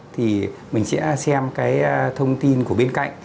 thì mình sẽ xem cái thông tin của bên cạnh